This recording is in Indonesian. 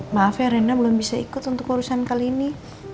maaf ya rena belum bisa ikut untuk urusan kali ini